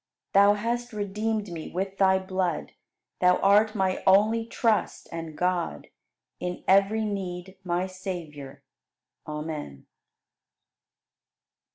Thou hast redeemed me with Thy blood, Thou art my only Trust and God In every need, my Savior. Amen.